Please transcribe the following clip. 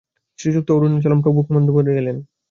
শ্রীযুক্ত অরুণাচলম প্রমুখ বন্ধু-বান্ধবেরা এলেন।